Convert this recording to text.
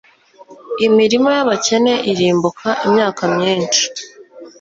imirima y'abakene irumbuka imyaka myinshi